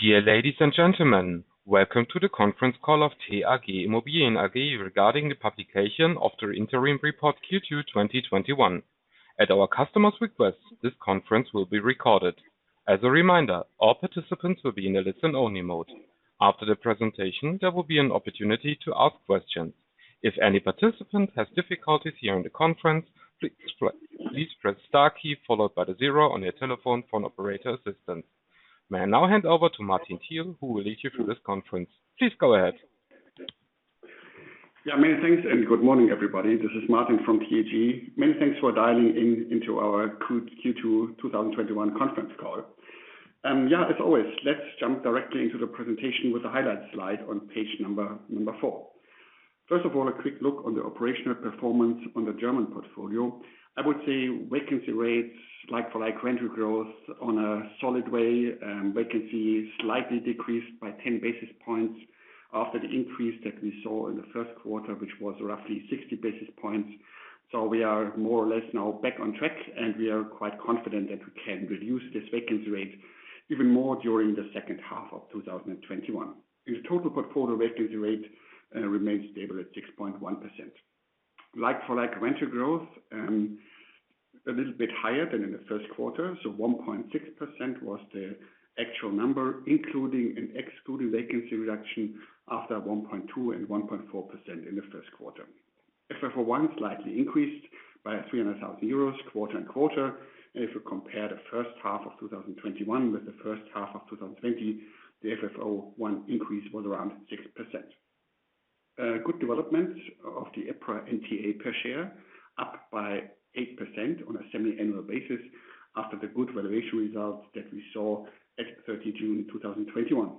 Dear ladies and gentlemen, welcome to the conference call of TAG Immobilien AG regarding the publication of the interim report Q2 2021. At our customer's request, this conference will be recorded. As a reminder, our participants will be in a listen-only mode. After the presentation, there will be an opportunity to ask questions. If any participant has difficulty hearing the conference, please press star key followed by the zero on your telephone for an operator assistance. May I now hand over to Martin Thiel, who will lead you through this conference. Please go ahead. Yeah, many thanks and good morning, everybody. This is Martin from TAG. Many thanks for dialing in to our Q2 2021 conference call. Yeah, as always, let's jump directly into the presentation with the highlight slide on page number four. First of all, a quick look on the operational performance on the German portfolio. I would say vacancy rates, like-for-like rental growth on a solid way. Vacancy slightly decreased by 10 basis points after the increase that we saw in the first quarter, which was roughly 60 basis points. We are more or less now back on track, and we are quite confident that we can reduce this vacancy rate even more during the second half of 2021. The total portfolio vacancy rate remains stable at 6.1%. Like-for-like rental growth, a little bit higher than in the first quarter. 1.6% was the actual number, including and excluding vacancy reduction after 1.2% and 1.4% in the first quarter. FFO I slightly increased by 300,000 euros quarter on quarter. If you compare the first half of 2021 with the first half of 2020, the FFO I increase was around 6%. Good development of the EPRA NTA per share, up by 8% on a semi-annual basis after the good valuation results that we saw at 30 June 2021.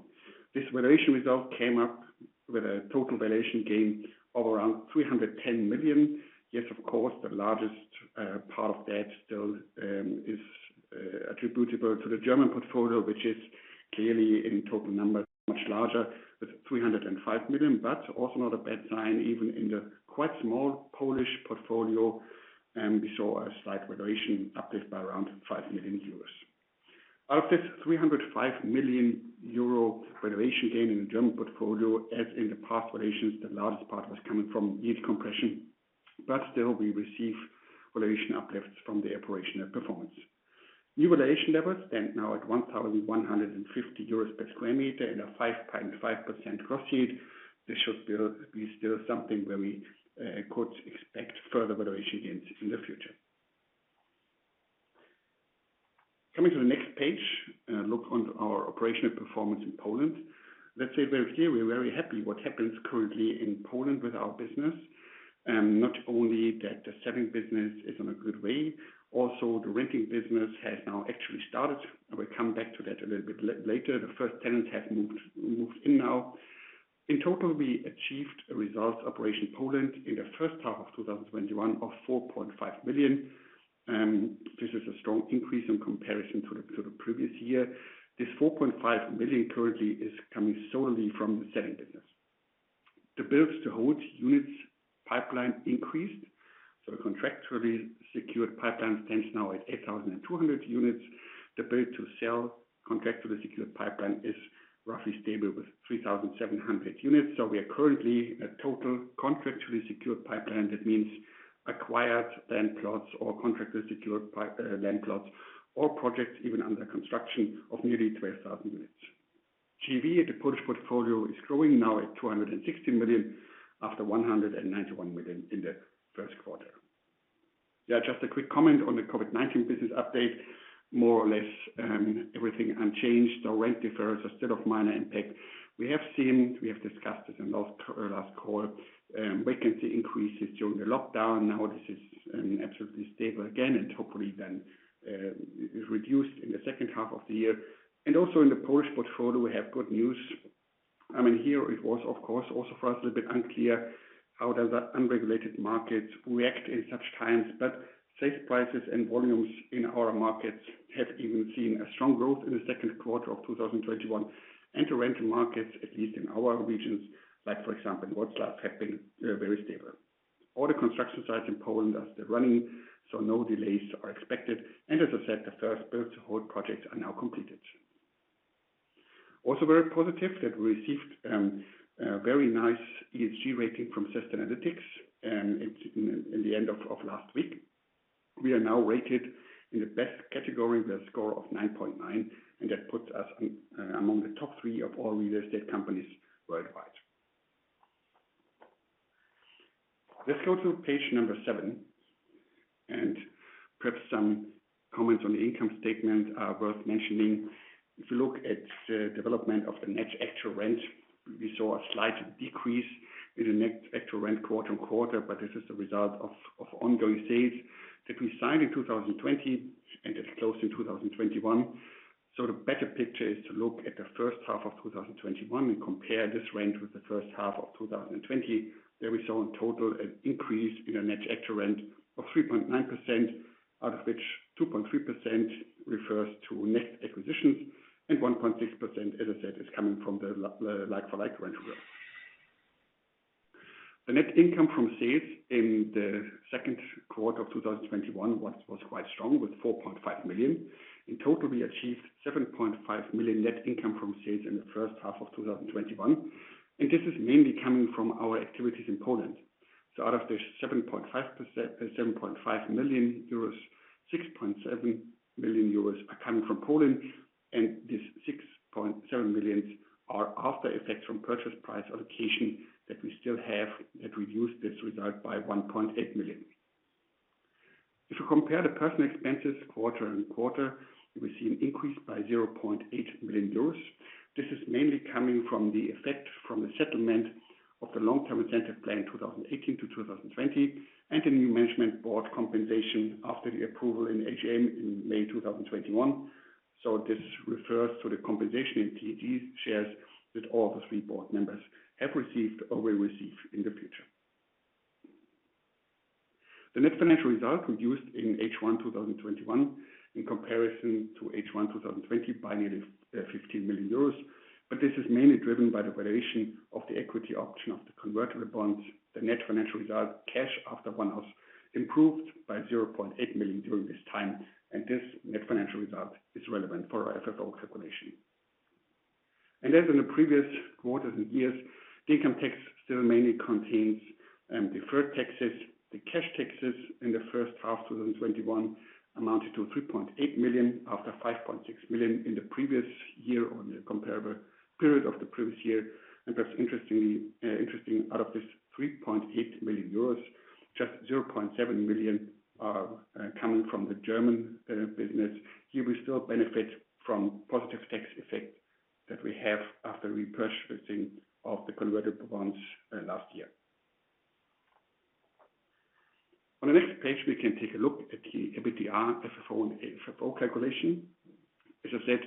This valuation result came up with a total valuation gain of around 310 million. Yes, of course, the largest part of that still is attributable to the German portfolio, which is clearly in total numbers much larger with 305 million. Also not a bad sign even in the quite small Polish portfolio. We saw a slight valuation uplift by around 5 million euros. Out of this 305 million euro valuation gain in the German portfolio, as in the past valuations, the largest part was coming from yield compression. Still, we receive valuation uplifts from the operational performance. New valuation levels stand now at 1,150 euros per sq m and a 5.5% gross yield. This should be still something where we could expect further valuation gains in the future. Coming to the next page, a look on our operational performance in Poland. Let's say we're very happy what happens currently in Poland with our business. Not only that the selling business is on a good way, also the renting business has now actually started. I will come back to that a little bit later. The first tenant has moved in now. In total, we achieved a result operation Poland in the first half of 2021 of 4.5 million. This is a strong increase in comparison to the previous year. This 4.5 million currently is coming solely from the selling business. The build to hold units pipeline increased. The contractually secured pipeline stands now at 8,200 units. The build to sell contractually secured pipeline is roughly stable with 3,700 units. We are currently at total contractually secured pipeline. That means acquired land plots or contractually secured land plots or projects even under construction of nearly 12,000 units. GAV at the Polish portfolio is growing now at 260 million after 191 million in the first quarter. Just a quick comment on the COVID-19 business update. More or less everything unchanged. Rent deferrals are still of minor impact. We have discussed this in last call, vacancy increases during the lockdown. Now this is absolutely stable again, hopefully then is reduced in the second half of the year. Also in the Polish portfolio, we have good news. Here it was, of course, also for us a little bit unclear how does that unregulated market react in such times. Sales prices and volumes in our markets have even seen a strong growth in the second quarter of 2021. The rental markets, at least in our regions, like for example, Wroclaw, have been very stable. All the construction sites in Poland are still running, no delays are expected. As I said, the 1st build to hold projects are now completed. Also very positive that we received a very nice ESG rating from Sustainalytics in the end of last week. We are now rated in the best category with a score of 9.9. That puts us among the top three of all real estate companies worldwide. Let's go to page number seven. Perhaps some comments on the income statement are worth mentioning. If you look at the development of the net actual rent, we saw a slight decrease in the net actual rent quarter-on-quarter. This is the result of ongoing sales that we signed in 2020 and that closed in 2021. The better picture is to look at the first half of 2021 and compare this range with the first half of 2020. There we saw in total an increase in the net actual rent of 3.9%, out of which 2.3% refers to net acquisitions and 1.6% as I said, is coming from the like-for-like rental growth. The net income from sales in the second quarter of 2021 was quite strong, with 4.5 million. In total, we achieved 7.5 million net income from sales in the first half of 2021. This is mainly coming from our activities in Poland. Out of the 7.5 million euros, 6.7 million euros are coming from Poland, and this 6.7 million are after effects from purchase price allocation that we still have that reduced this result by 1.8 million. If you compare the personal expenses quarter-over-quarter, we see an increase by 0.8 million euros. This is mainly coming from the effect from the settlement of the long-term incentive plan 2018 to 2020 and the new management board compensation after the approval in AGM in May 2021. This refers to the compensation in TAG's shares that all the three board members have received or will receive in the future. The net financial result reduced in H1 2021 in comparison to H1 2020 by nearly 15 million euros. This is mainly driven by the valuation of the equity option of the convertible bonds. The net financial result cash after one-offs, improved by 0.8 million during this time, and this net financial result is relevant for our FFO calculation. As in the previous quarters and years, the income tax still mainly contains deferred taxes. The cash taxes in H1 2021 amounted to 3.8 million, after 5.6 million in the previous year on the comparable period of the previous year. That's interesting, out of this 3.8 million euros, just 0.7 million are coming from the German business. Here we still benefit from positive tax effect that we have after repurchasing of the convertible bonds last year. On the next page, we can take a look at the EBITDA, FFO I and FFO calculation. As I said,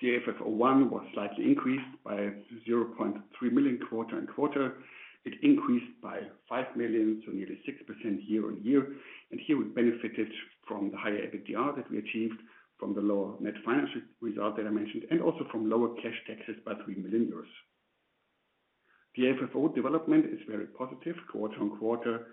the FFO I was slightly increased by 0.3 million quarter-on-quarter. It increased by 5 million, so nearly 6% year-on-year. Here we benefited from the higher EBITDA that we achieved from the lower net financial result that I mentioned, and also from lower cash taxes by 3 million euros. The FFO development is very positive quarter-on-quarter,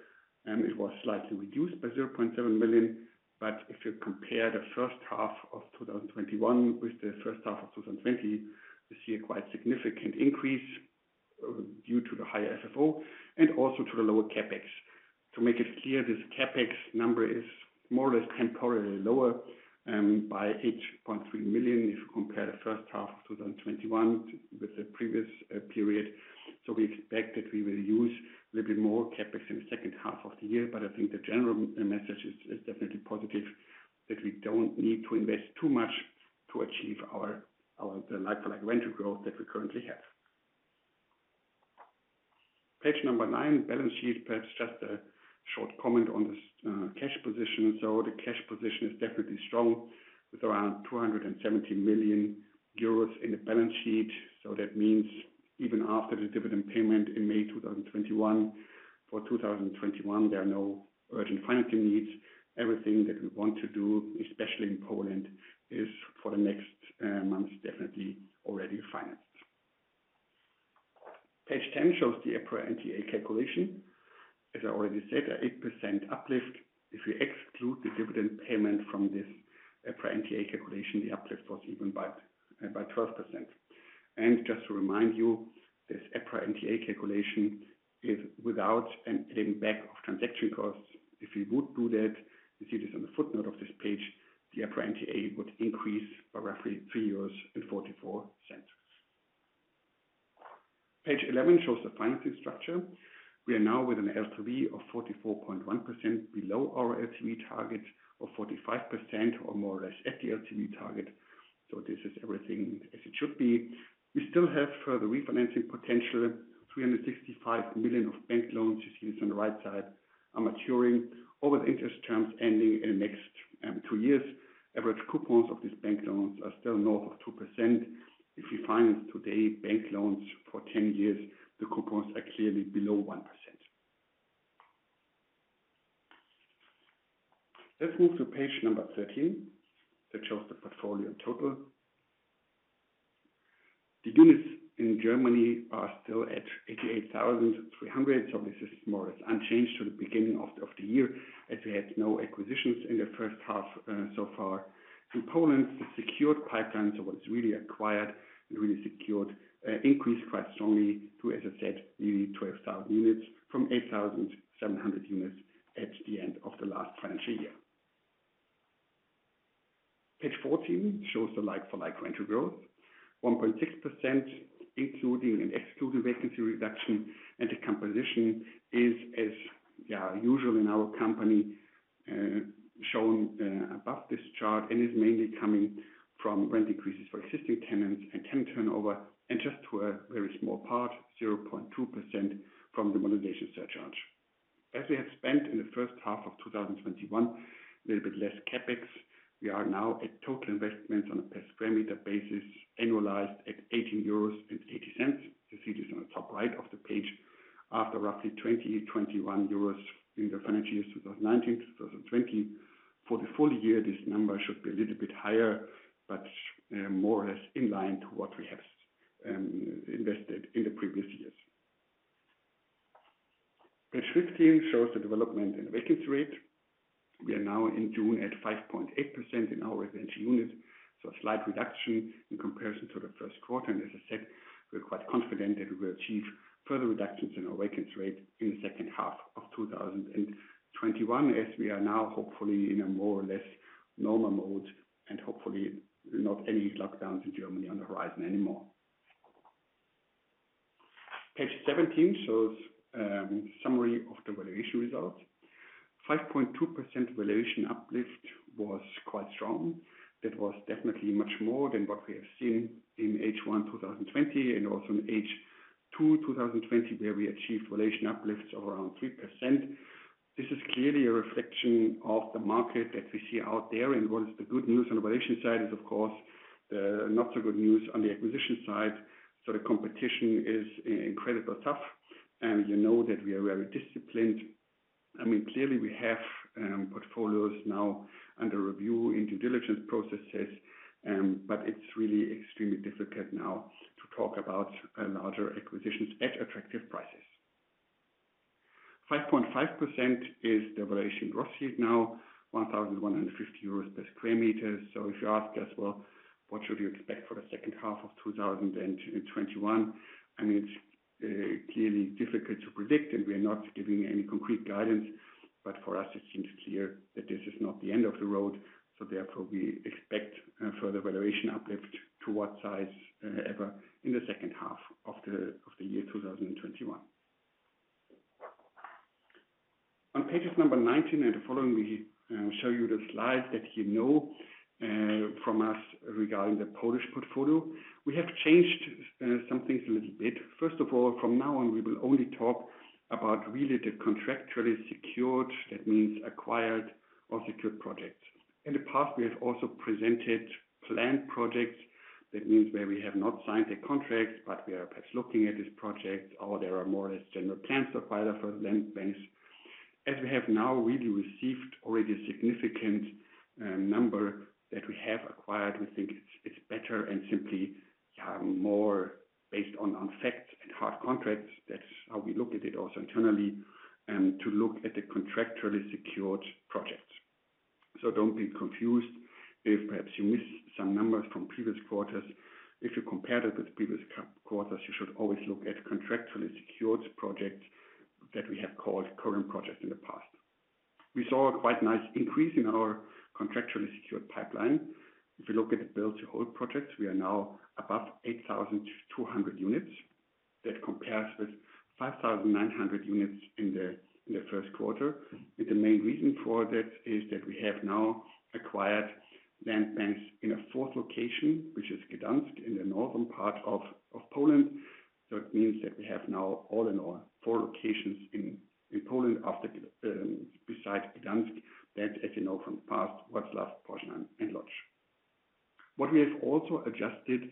and it was slightly reduced by 0.7 million. If you compare the first half of 2021 with the first half of 2020, you see a quite significant increase due to the higher FFO and also to the lower CapEx. To make it clear, this CapEx number is more or less temporarily lower by 8.3 million if you compare the first half of 2021 with the previous period. We expect that we will use a little bit more CapEx in the second half of the year. I think the general message is definitely positive, that we do not need to invest too much to achieve our like-for-like rental growth that we currently have. Page number nine, balance sheet. Perhaps just a short comment on this cash position. The cash position is definitely strong with around 270 million euros in the balance sheet. That means even after the dividend payment in May 2021, for 2021, there are no urgent financing needs. Everything that we want to do, especially in Poland, is for the next months, definitely already financed. Page 10 shows the EPRA NTA calculation. As I already said, an 8% uplift. If we exclude the dividend payment from this EPRA NTA calculation, the uplift was even by 12%. Just to remind you, this EPRA NTA calculation is without a paying back of transaction costs. If we would do that, you see this on the footnote of this page, the EPRA NTA would increase by roughly 3.44 euros. Page 11 shows the financing structure. We are now with an LTV of 44.1%, below our LTV target of 45%, or more or less at the LTV target. This is everything as it should be. We still have further refinancing potential. 365 million of bank loans, you see this on the right side, are maturing over the interest terms ending in the next two years. Average coupons of these bank loans are still north of 2%. If we finance today bank loans for 10 years, the coupons are clearly below 1%. Let's move to page number 13, that shows the portfolio total. The units in Germany are still at 88,300. This is more or less unchanged to the beginning of the year as we had no acquisitions in the first half so far. In Poland, the secured pipeline, so what's really acquired and really secured, increased quite strongly to, as I said, nearly 12,000 units from 8,700 units at the end of the last financial year. Page 14 shows the like-for-like rental growth, 1.6% including and excluding vacancy reduction. The composition is, as usual in our company, shown above this chart and is mainly coming from rent increases for existing tenants and tenant turnover, and just to a very small part, 0.2%, from the modernization surcharge. As we have spent in the first half of 2021 a little bit less CapEx, we are now at total investments on a per square meter basis, annualized at 18.80 euros. You see this on the top right of the page, after roughly 20.21 euros in the financial year 2019 to 2020. For the full year, this number should be a little bit higher, but more or less in line to what we have invested in the previous years. Page 15 shows the development in vacancy rate. We are now in June at 5.8% in our vacant units, so a slight reduction in comparison to the first quarter. As I said, we're quite confident that we will achieve further reductions in our vacancy rate in the second half of 2021, as we are now hopefully in a more or less normal mode and hopefully not any lockdowns in Germany on the horizon anymore. Page 17 shows a summary of the valuation results. 5.2% valuation uplift was quite strong. That was definitely much more than what we have seen in H1 2020 and also in H2 2020, where we achieved valuation uplifts of around 3%. This is clearly a reflection of the market that we see out there. What is the good news on the valuation side is, of course, the not so good news on the acquisition side. The competition is incredibly tough, and you know that we are very disciplined. Clearly, we have portfolios now under review in due diligence processes, but it's really extremely difficult now to talk about larger acquisitions at attractive prices. 5.5% is the valuation gross yield now, 1,150 euros per sq m. If you ask us, well, what should we expect for the second half of 2021? It's clearly difficult to predict, and we are not giving any concrete guidance, but for us, it seems clear that this is not the end of the road. Therefore, we expect further valuation uplift to what size ever in the second half of the year 2021. On pages 19 and following, we show you the slides that you know from us regarding the Polish portfolio. We have changed some things a little bit. First of all, from now on, we will only talk about really the contractually secured, that means acquired or secured projects. In the past, we have also presented planned projects, that means where we have not signed a contract, but we are perhaps looking at this project, or there are more or less general plans acquired for land banks. We have now really received already a significant number that we have acquired, we think it's better and simply more based on facts and hard contracts. That's how we look at it also internally, to look at the contractually secured projects. Don't be confused if perhaps you miss some numbers from previous quarters. If you compare that with previous quarters, you should always look at contractually secured projects that we have called current projects in the past. We saw a quite nice increase in our contractually secured pipeline. If you look at the build to hold projects, we are now above 8,200 units. That compares with 5,900 units in the first quarter. The main reason for that is that we have now acquired land banks in a fourth location, which is Gdansk in the northern part of Poland. It means that we have now all in all four locations in Poland besides Gdansk. That, as you know from the past, Wroclaw, Poznan, and Lodz. What we have also adjusted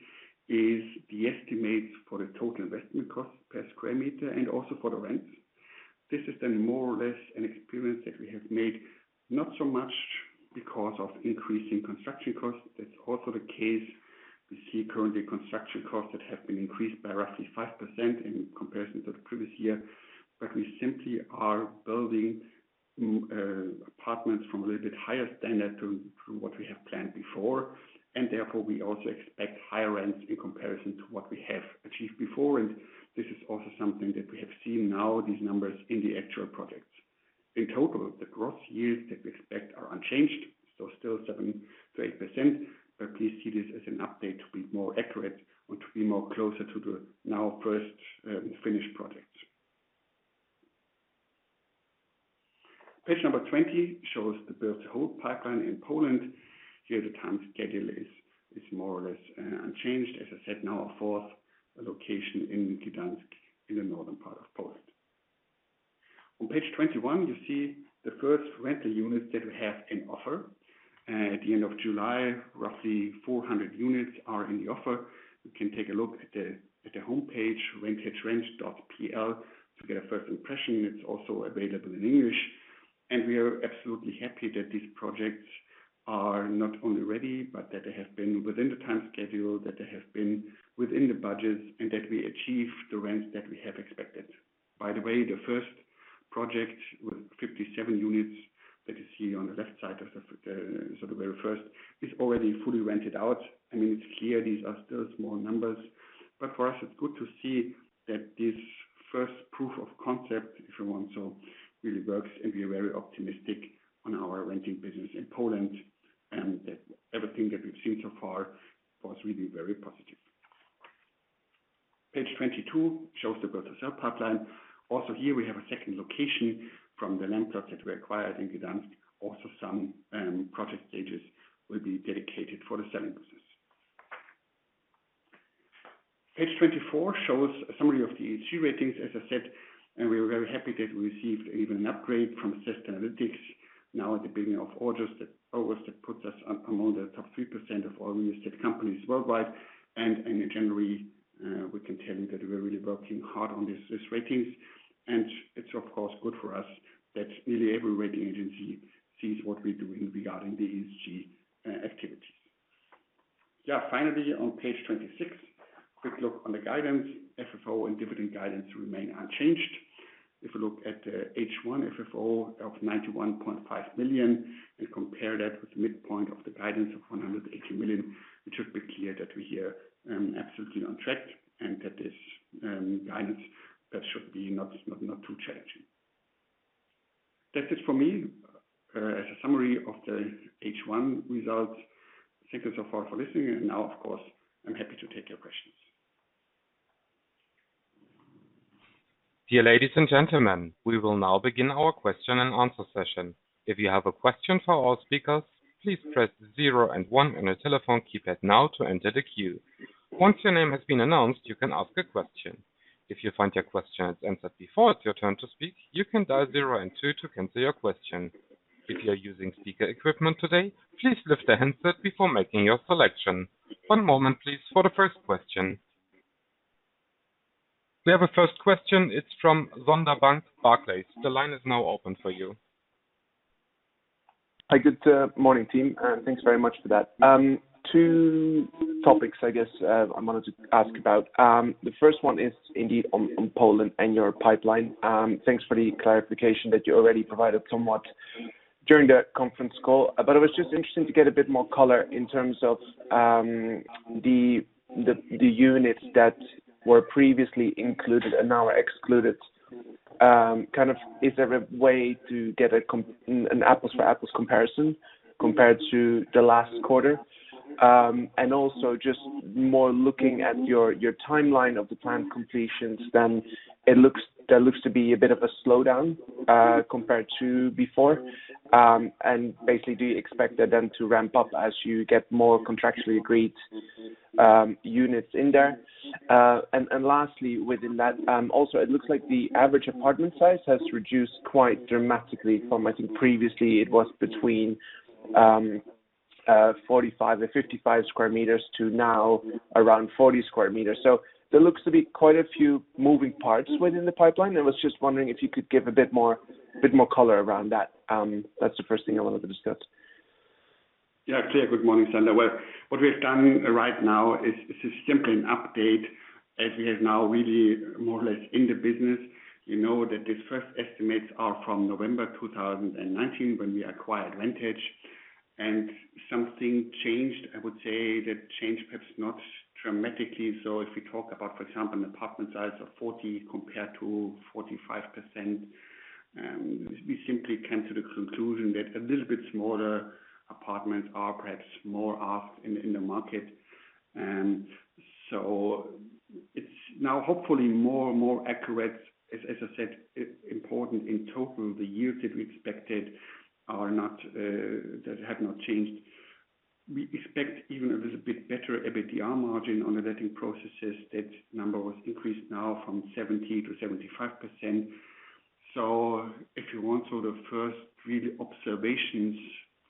is the estimates for the total investment cost per square meter and also for the rents. This is then more or less an experience that we have made, not so much because of increasing construction costs. That's also the case. We see currently construction costs that have been increased by roughly 5% in comparison to the previous year. We simply are building apartments from a little bit higher standard to what we have planned before, and therefore, we also expect higher rents in comparison to what we have achieved before. This is also something that we have seen now, these numbers in the actual projects. In total, the gross yields that we expect are unchanged, so still 7%-8%. Please see this as an update to be more accurate or to be more closer to the now first finished project. Page number 20 shows the build to hold pipeline in Poland. Here, the time schedule is more or less unchanged. As I said, now a fourth location in Gdansk in the northern part of Poland. On page 21, you see the first rental units that we have in offer. At the end of July, roughly 400 units are in the offer. You can take a look at the homepage, vantagerent.pl, to get a first impression. It's also available in English. We are absolutely happy that these projects are not only ready, but that they have been within the time schedule, that they have been within the budget, and that we achieved the rents that we have expected. By the way, the first project with 57 units that you see on the left side of the very first, is already fully rented out. It's clear these are still small numbers, but for us, it's good to see that this first proof of concept, if you want so, really works, and we're very optimistic on our renting business in Poland, and that everything that we've seen so far was really very positive. Page 22 shows the build to sell pipeline. Here we have a second location from the land plot that we acquired in Gdansk. Some project stages will be dedicated for the selling process. Page 24 shows a summary of the ESG ratings, as I said. We are very happy that we received even an upgrade from Sustainalytics now at the beginning of August. That puts us among the top 3% of all real estate companies worldwide. In general, we can tell you that we're really working hard on these ratings. It's, of course, good for us that nearly every rating agency sees what we're doing regarding the ESG activities. Yeah. Finally, on page 26, quick look on the guidance. FFO and dividend guidance remain unchanged. If you look at the H1 FFO of 91.5 million and compare that with the midpoint of the guidance of 180 million, it should be clear that we're here absolutely on track and that this guidance that should be not too challenging. That is for me, as a summary of the H1 results. Thank you so far for listening, and now of course, I'm happy to take your questions. Dear ladies and gentlemen, we will now begin our question and answer session. If you have a question for our speakers, please press zero and one on your telephone keypad now to enter the queue. Once your name has been announced, you can ask a question. If you find your question is answered before it's your turn to speak, you can dial zero and two to cancel your question. If you are using speaker equipment today, please lift the handset before making your selection. One moment, please, for the first question. We have a first question. It's from Sander Bunck, Barclays. The line is now open for you. Hi. Good morning, team. Thanks very much for that. Two topics I guess I wanted to ask about. The first one is indeed on Poland and your pipeline. Thanks for the clarification that you already provided somewhat during the conference call, but it was just interesting to get a bit more color in terms of the units that were previously included and now are excluded. Is there a way to get an apples for apples comparison compared to the last quarter? Also just more looking at your timeline of the planned completions, there looks to be a bit of a slowdown, compared to before. Basically, do you expect that then to ramp up as you get more contractually agreed units in there? Lastly, within that, also, it looks like the average apartment size has reduced quite dramatically from, I think previously it was between 45 sq m-55 sq m to now around 40 sq m. There looks to be quite a few moving parts within the pipeline, and was just wondering if you could give a bit more color around that. That's the first thing I wanted to discuss. Yeah, clear. Good morning, Sander. Well, what we have done right now is simply an update as we have now really more or less in the one business. You know that these first estimates are from November 2019 when we acquired Vantage. Something changed, I would say that changed perhaps not dramatically. If we talk about, for example, an apartment size of 40 compared to 45%, we simply came to the conclusion that a little bit smaller apartments are perhaps more asked in the market. It's now hopefully more and more accurate. As I said, important in total, the yields that we expected have not changed. We expect even a little bit better EBITDA margin on the letting processes. That number was increased now from 70 to 75%. If you want, the first really observations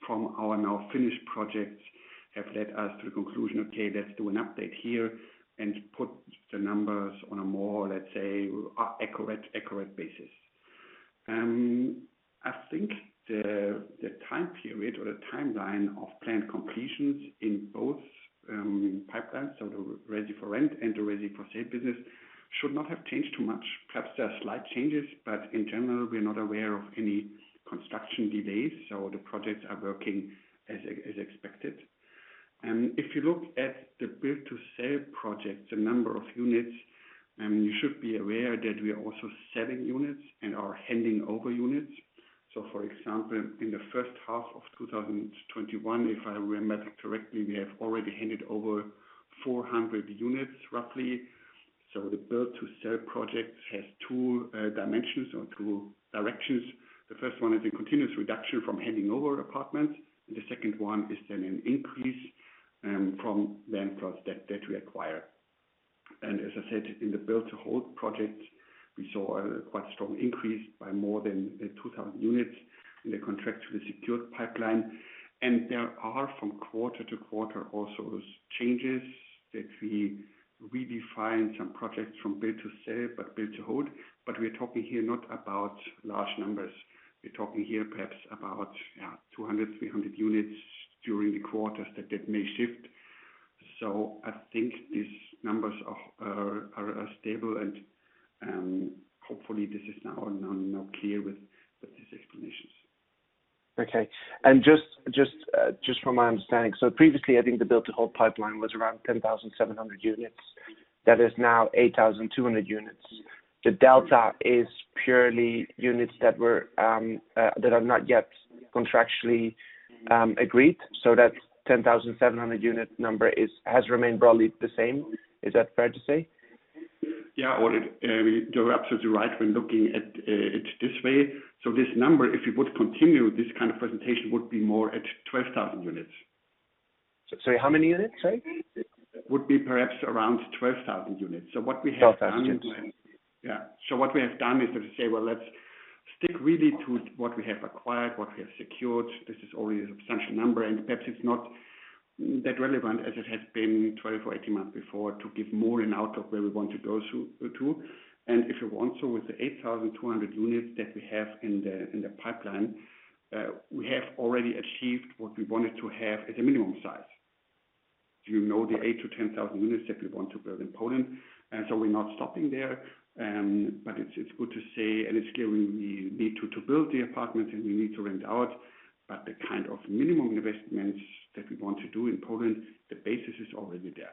from our now finished projects have led us to the conclusion, okay, let's do an update here and put the numbers on a more, let's say, accurate basis. I think the time period or the timeline of planned completions in both pipelines, so the ready for rent and the ready for sale business should not have changed too much. Perhaps there are slight changes, but in general, we are not aware of any construction delays, so the projects are working as expected. If you look at the build-to-sale projects, the number of units, you should be aware that we are also selling units and are handing over units. For example, in the first half of 2021, if I remember correctly, we have already handed over 400 units roughly. The build to sale project has two dimensions or two directions. The first one is a continuous reduction from handing over apartments, and the second one is an increase from land plots that we acquire. As I said, in the build to hold project, we saw a quite strong increase by more than 2,000 units in the contractually secured pipeline. There are from quarter-to-quarter also changes that we redefine some projects from build to sale, but build to hold. We're talking here not about large numbers. We're talking here perhaps about 200 units, 300 units during the quarters that may shift. I think these numbers are stable and hopefully this is now clear with these explanations. Okay. Just from my understanding, previously, I think the build to hold pipeline was around 10,700 units. That is now 8,200 units. The delta is purely units that are not yet contractually agreed. That 10,700 unit number has remained broadly the same. Is that fair to say? Yeah. Well, you're absolutely right when looking at it this way. This number, if you would continue this kind of presentation, would be more at 12,000 units. Sorry, how many units, sorry? It would be perhaps around 12,000 units. 12,000 units. Yeah. What we have done is to say, well, let's stick really to what we have acquired, what we have secured. This is already a substantial number, and perhaps it's not that relevant as it has been 12 moths or 18 months before to give more an outlook where we want to go to. If you want, so with the 8,200 units that we have in the pipeline, we have already achieved what we wanted to have as a minimum size. You know the 8,000 units-10,000 units that we want to build in Poland. We're not stopping there. It's good to say, and it's clear we need to build the apartments, and we need to rent out. The kind of minimum investments that we want to do in Poland, the basis is already there.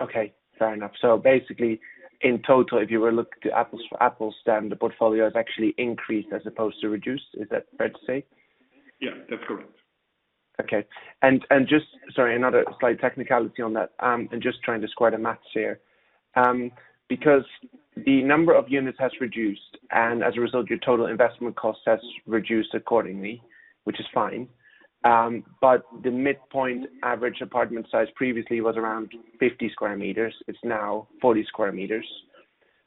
Okay, fair enough. Basically, in total, if you were look to apples for apples, then the portfolio has actually increased as opposed to reduced. Is that fair to say? Yeah, that's correct. Okay. Just, sorry, another slight technicality on that, I'm just trying to square the math here. The number of units has reduced, and as a result, your total investment cost has reduced accordingly, which is fine. The midpoint average apartment size previously was around 50 sq m. It's now 40 sq m.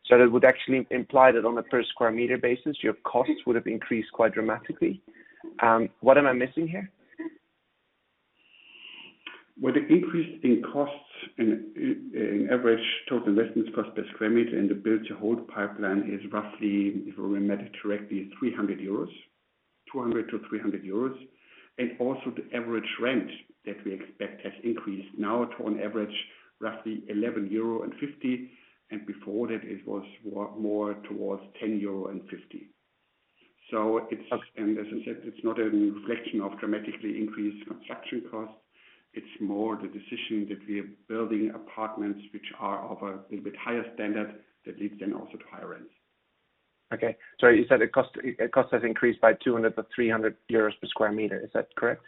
That would actually imply that on a per square meter basis, your costs would have increased quite dramatically. What am I missing here? Well, the increase in costs in average total investments cost per square meter in the build to hold pipeline is roughly, if I remember correctly, 300 euros, 200- 300 euros. Also the average rent that we expect has increased now to on average, roughly 11.50 euro. Before that it was more towards 10.50 euro. It's just, and as I said, it's not a reflection of dramatically increased construction costs. It's more the decision that we are building apartments which are of a little bit higher standard that leads then also to higher rents. Okay. Sorry, you said the cost has increased by 200-300 euros per square meter. Is that correct?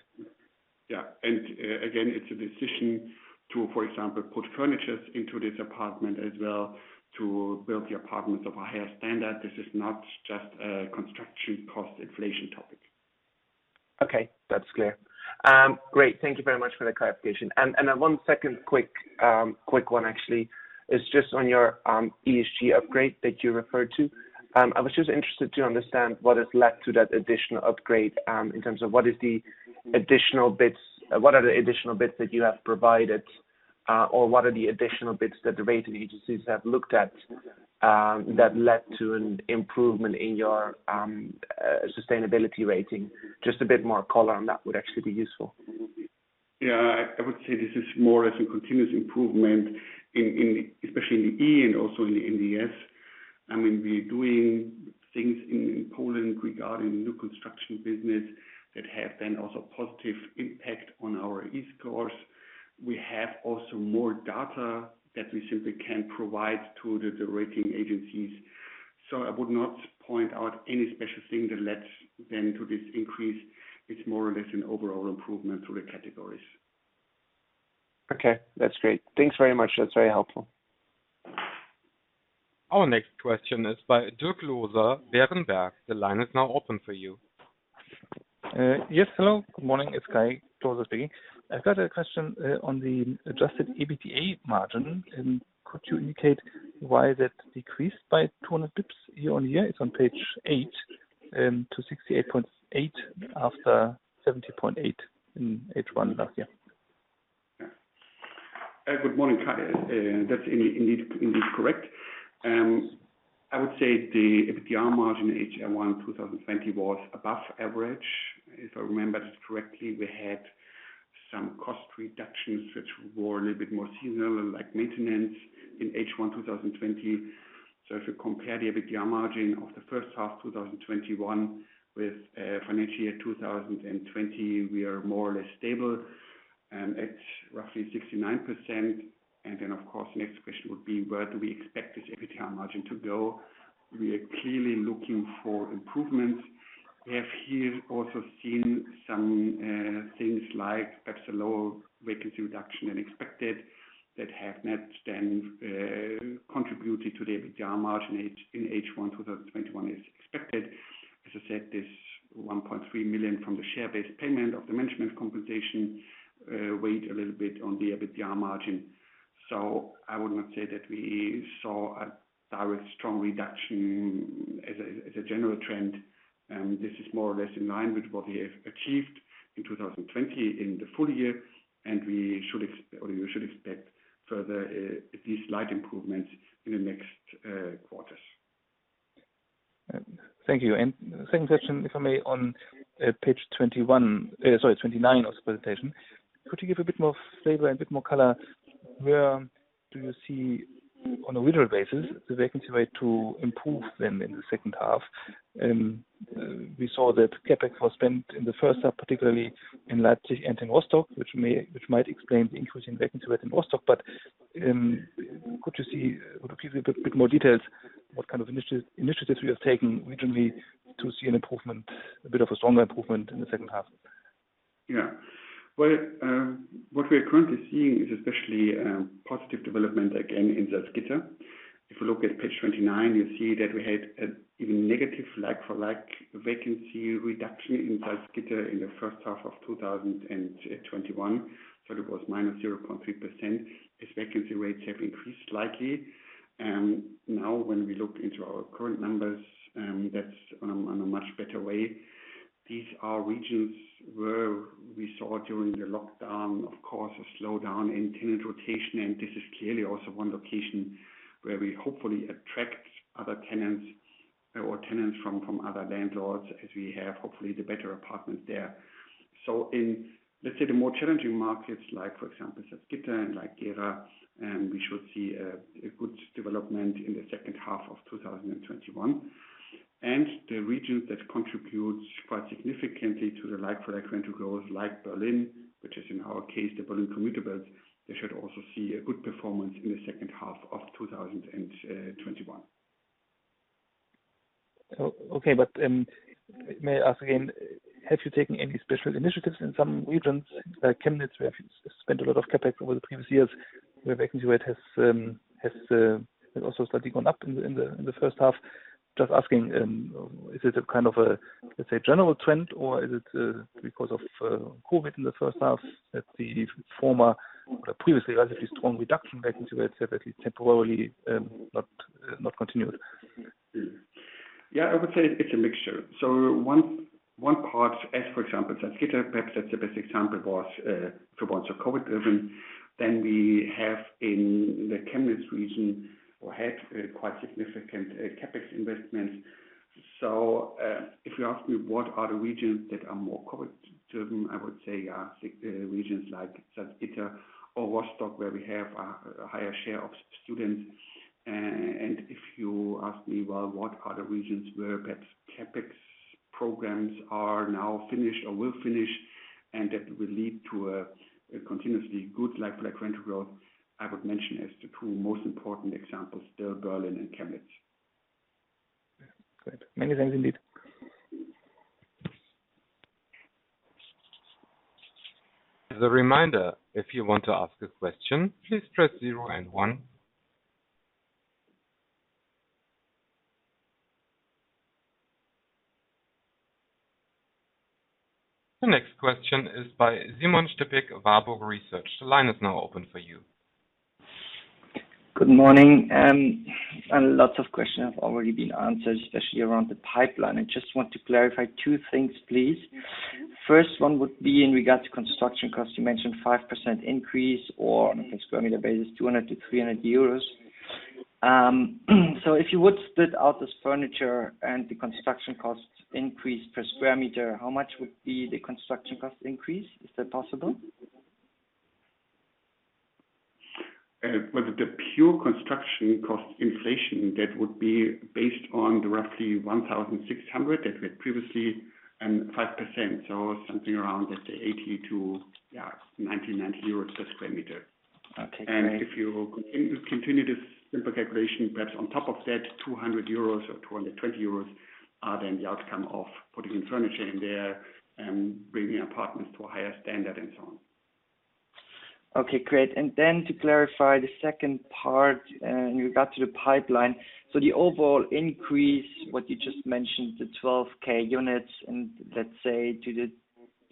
Yeah. Again, it's a decision to, for example, put furniture into this apartment as well to build the apartments of a higher standard. This is not just a construction cost inflation topic. Okay, that's clear. Great. Thank you very much for the clarification. One second quick one actually is just on your ESG upgrade that you referred to. I was just interested to understand what has led to that additional upgrade, in terms of what are the additional bits that you have provided, or what are the additional bits that the rating agencies have looked at, that led to an improvement in your sustainability rating. Just a bit more color on that would actually be useful. Yeah, I would say this is more as a continuous improvement especially in the E and also in the S. We are doing things in Poland regarding new construction business that have then also positive impact on our E scores. We have also more data that we simply can provide to the rating agencies. I would not point out any special thing that led then to this increase. It's more or less an overall improvement through the categories. Okay, that's great. Thanks very much. That's very helpful. Our next question is by Dirk Klose, Berenberg. The line is now open for you. Yes, hello. Good morning. It's Kai Klose speaking. I've got a question on the adjusted EBITDA margin. Could you indicate why that decreased by 200 basis points year-on-year? It's on page eight, to 68.8% after 70.8% in H1 last year. Good morning, Kai. That's indeed correct. I would say the EBITDA margin in H1 2020 was above average. If I remember this correctly, we had some cost reductions which were a little bit more seasonal, like maintenance in H1 2020. If you compare the EBITDA margin of the first half 2021 with financial year 2020, we are more or less stable at roughly 69%. Of course, next question would be, where do we expect this EBITDA margin to go? We are clearly looking for improvements. We have here also seen some things like perhaps a lower vacancy reduction than expected that have not then contributed to the EBITDA margin in H1 2021 as expected. As I said, this 1.3 million from the share-based payment of the management compensation, weighed a little bit on the EBITDA margin. I would not say that we saw a direct strong reduction as a general trend. This is more or less in line with what we have achieved in 2020 in the full year, and you should expect further at least slight improvements in the next quarters. Thank you. second question, if I may, on page 29 of the presentation. Could you give a bit more flavor and bit more color, where do you see on a regional basis, the vacancy rate to improve then in the second half? We saw that CapEx was spent in the first half, particularly in Leipzig and in Rostock, which might explain the increase in vacancy rate in Rostock. Could you give a bit more details what kind of initiatives you have taken regionally to see a bit of a stronger improvement in the second half? Yeah. Well, what we are currently seeing is especially positive development again in Salzgitter. If you look at page 29, you see that we had an even negative like-for-like vacancy reduction in Salzgitter in the first half of 2021. That was -0.3%, as vacancy rates have increased slightly. Now when we look into our current numbers, that's on a much better way. These are regions where we saw during the lockdown, of course, a slowdown in tenant rotation, and this is clearly also one location where we hopefully attract other tenants or tenants from other landlords as we have hopefully the better apartments there. In, let's say the more challenging markets like, for example, Salzgitter and like Gera, we should see a good development in the second half of 2021. The regions that contribute quite significantly to the like-for-like rental growth, like Berlin, which is in our case, the Berlin commuter belt, they should also see a good performance in the second half of 2021. Okay. May I ask again, have you taken any special initiatives in some regions, like Chemnitz, where you've spent a lot of CapEx over the previous years, where vacancy rate has also slightly gone up in H1? Just asking, is it a kind of general trend, or is it because of COVID in H1 that the former, previously relatively strong reduction vacancy rates have at least temporarily not continued? I would say it's a mixture. One part, as for example, Salzgitter, perhaps that's the best example, was for once COVID-19-driven. We have in the Chemnitz region, or had quite significant CapEx investments. If you ask me what are the regions that are more COVID-19-driven, I would say regions like Salzgitter or Rostock where we have a higher share of students. If you ask me, well, what are the regions where perhaps CapEx programs are now finished or will finish, and that will lead to a continuously good like-for-like rental growth, I would mention as the two most important examples, still Berlin and Chemnitz. Great. Many thanks indeed. As a reminder, if you want to ask a question, please press zero and one. The next question is by Simon Stippig, Warburg Research. The line is now open for you. Good morning. Lots of questions have already been answered, especially around the pipeline. I just want to clarify two things please. The first one would be in regards to construction cost. You mentioned 5% increase or on a per square meter basis, 200-300 euros. If you would split out this furniture and the construction costs increase per square meter, how much would be the construction cost increase? Is that possible? With the pure construction cost inflation, that would be based on the roughly 1,600 that we had previously and 5%, something around, let's say, 80 to 99 euros per square meter. Okay, great. If you continue this simple calculation, perhaps on top of that 200 euros or 220 euros are then the outcome of putting in furniture in there and bringing apartments to a higher standard and so on. Okay, great. To clarify the second part in regard to the pipeline. The overall increase, what you just mentioned, the 12,000 units, and let's say to the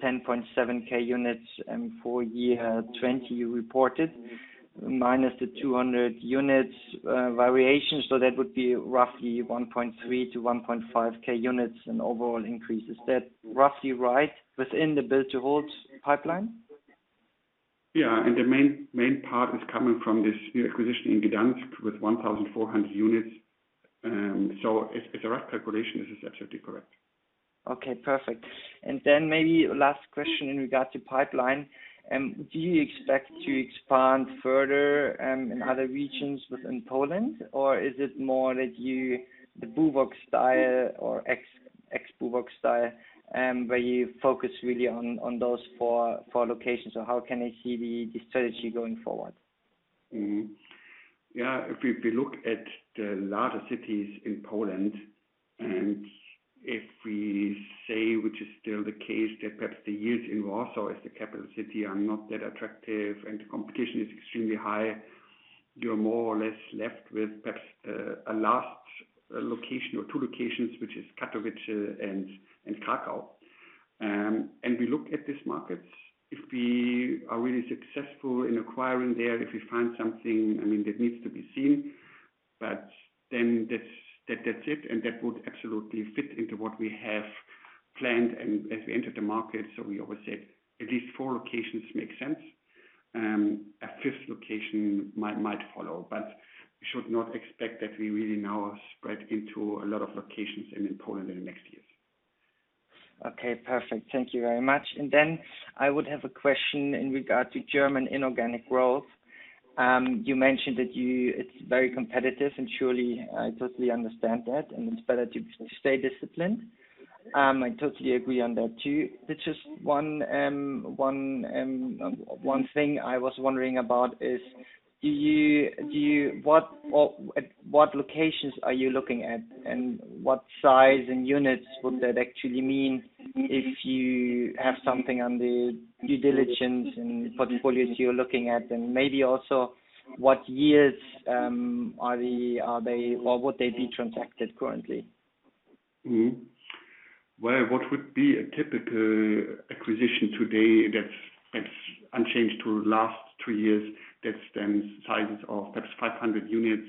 10,700 units for year 2020 you reported, minus the 200 units variation. That would be roughly 1,300-1,500 units in overall increase. Is that roughly right within the build-to-hold pipeline? The main part is coming from this new acquisition in Gdansk with 1,400 units. It's a rough calculation. This is absolutely correct. Okay, perfect. Then maybe last question in regards to pipeline. Do you expect to expand further in other regions within Poland, or is it more that you, the BUWOG style or ex BUWOG style, where you focus really on those four locations, or how can I see the strategy going forward? Yeah. If we look at the larger cities in Poland, if we say, which is still the case, that perhaps the yields in Warsaw as the capital city are not that attractive and the competition is extremely high. You're more or less left with perhaps a last location or two locations, which is Katowice and Kraków. We look at these markets. If we are really successful in acquiring there, if we find something, that needs to be seen. That's it, and that would absolutely fit into what we have planned and as we entered the market. We always said at least four locations make sense. A fifth location might follow, but we should not expect that we really now spread into a lot of locations in Poland in the next years. Okay, perfect. Thank you very much. I would have a question in regard to German inorganic growth. You mentioned that it's very competitive, and surely I totally understand that, and it's better to stay disciplined. I totally agree on that, too. There's just one thing I was wondering about is, what locations are you looking at, and what size and units would that actually mean if you have something on the due diligence and portfolios you're looking at? Maybe also what years would they be transacted currently? Well, what would be a typical acquisition today that's unchanged to last three years, that's then sizes of perhaps 500 units.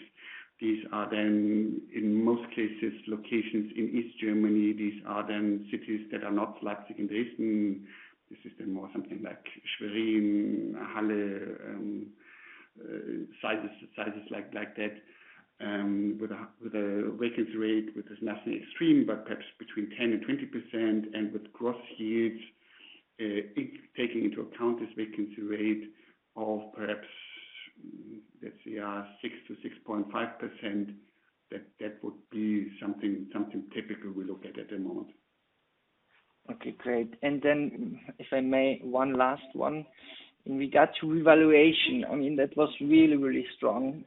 These are then, in most cases, locations in East Germany. These are then cities that are not Leipzig and Dresden. This is then more something like Schwerin, Halle. Sizes like that, with a vacancy rate which is nothing extreme, but perhaps between 10%-20%, and with gross yields, taking into account this vacancy rate of perhaps, let's say 6%-6.5%, that would be something typical we look at the moment. If I may, one last one. In regard to revaluation, that was really strong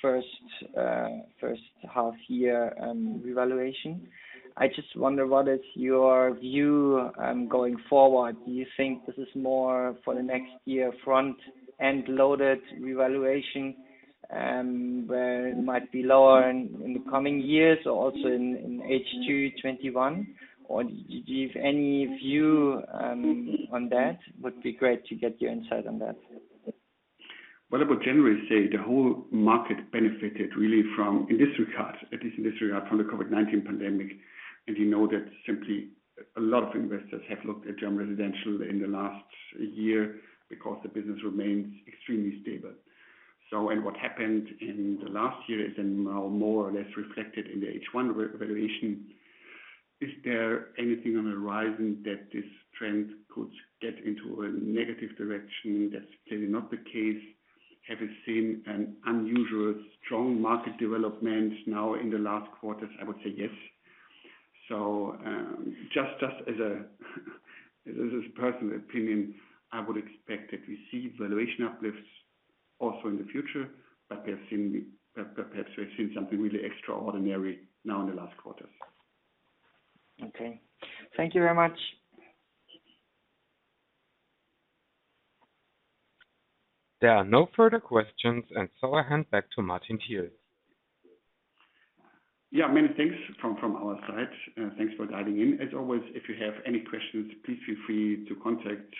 first half year revaluation. I just wonder what is your view going forward? Do you think this is more for the next year front and loaded revaluation, where it might be lower in the coming years or also in H2 2021? Do you have any view on that? Would be great to get your insight on that. What I would generally say, the whole market benefited really from, in this regard, from the COVID-19 pandemic. You know that simply a lot of investors have looked at German residential in the last year because the business remains extremely stable. What happened in the last year is then now more or less reflected in the H1 revaluation. Is there anything on the horizon that this trend could get into a negative direction? That's clearly not the case. Have we seen an unusual strong market development now in the last quarters? I would say yes. Just as a personal opinion, I would expect that we see valuation uplifts also in the future, but perhaps we've seen something really extraordinary now in the last quarters. Okay. Thank you very much. There are no further questions, and so I hand back to Martin Thiel. Yeah, many thanks from our side. Thanks for dialing in. As always, if you have any questions, please feel free to contact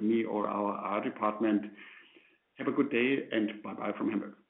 me or our department. Have a good day, and bye from Hamburg.